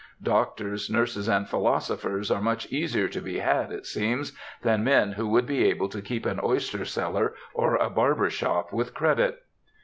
Doctors, nurses, and philosophers are much easier to be had, it seems, than men who would be able to keep an oyster cellar or a barber shop with credit.